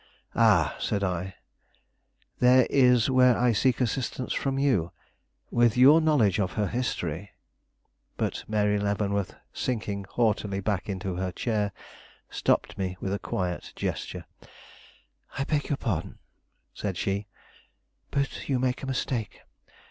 "Ah," said I, "there is where I seek assistance from you. With your knowledge of her history " But Mary Leavenworth, sinking haughtily back into her chair, stopped me with a quiet gesture. "I beg your pardon," said she; "but you make a mistake.